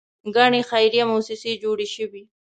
ګڼې خیریه موسسې جوړې شوې.